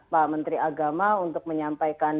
pak menteri agama untuk menyampaikan